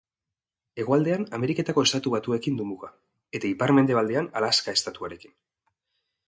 Hegoaldean Ameriketako Estatu Batuekin du muga, eta ipar-mendebaldean Alaska estatuarekin.